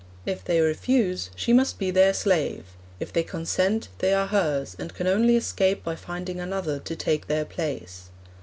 If they refuse, she must be their slave; if they consent, they are hers, and can only escape by finding another to take their place.